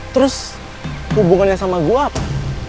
terus hubungannya sama gue apa